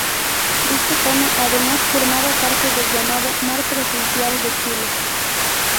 Dicha zona, además, formaba parte del llamado mar presencial de Chile.